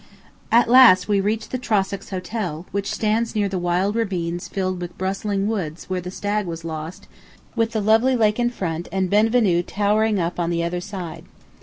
'" At last we reached the Trossachs Hotel, which stands near the wild ravines filled with bristling woods where the stag was lost, with the lovely lake in front and Ben Venue towering up on the other side.